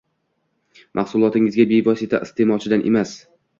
Mahsulotingizga bevosita iste’molchidan emas